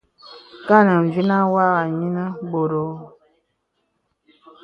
Kan mvìəŋ wàghà ayìnə bɔ̄t ōō.